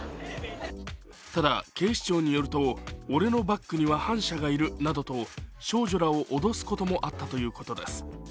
ただ警視庁によると、俺のバックには反社がいるなどと少女らを脅すこともあったということです。